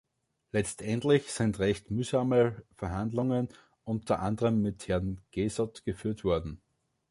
Letztendlich sind recht mühsame Verhandlungen unter anderem mit Herrn Gayssot geführt worden.